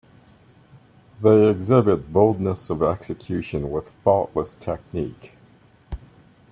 They exhibit boldness of execution with faultless technique.